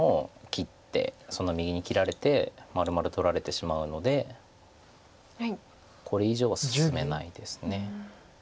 その右に切られてまるまる取られてしまうのでこれ以上は進めないです。